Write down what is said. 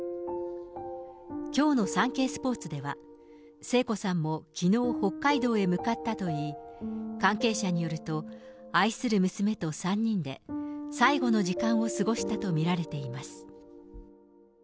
きょうのサンケイスポーツでは、聖子さんもきのう北海道へ向かったといい、関係者によると、愛する娘と３人で最後の時間を過ごしたと見られています。